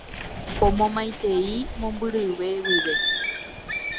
Pomomaitei mombyry guive.